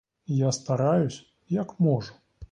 Я стараюсь, як можу.